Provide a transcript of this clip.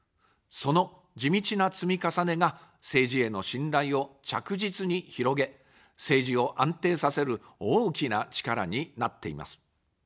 その地道な積み重ねが政治への信頼を着実に広げ、政治を安定させる大きな力になっています。